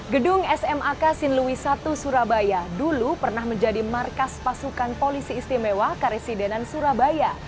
gedung smak sinlui satu surabaya dulu pernah menjadi markas pasukan polisi istimewa karesidenan surabaya